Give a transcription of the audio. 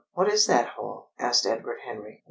"What is that hole?" asked Edward Henry.